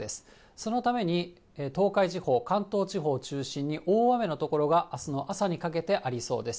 そのために東海地方、関東地方を中心に大雨の所があすの朝にかけて、ありそうです。